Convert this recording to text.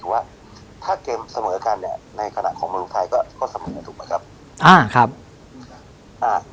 ว่าถ้าเกมเสมอกันเนี่ยในขณะของเมืองไทยก็ก็เสมอถูกไหมครับอ่าครับอ่า